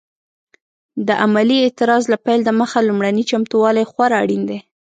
د عملي اعتراض له پیل دمخه لومړني چمتووالي خورا اړین دي.